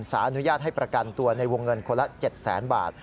อนุญาตให้ประกันตัวในวงเงินคนละ๗แสนบาท